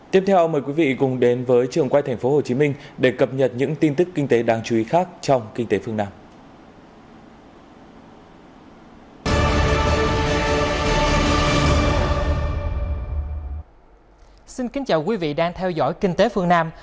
tiếp theo mời quý vị cùng đến với trường quay tp hcm để cập nhật những tin tức kinh tế đáng chú ý khác trong kinh tế phương nam